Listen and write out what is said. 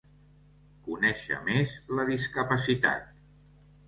«Conèixer més la discapacitat».